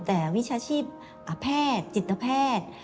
แต่วิชาชีพแพทย์จิตแพทย์